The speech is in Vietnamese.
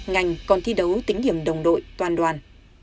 ngành còn thi đấu tính hiểm đồng đội toàn đoàn